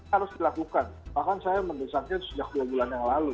harus dilakukan bahkan saya mendesaknya sejak dua bulan yang lalu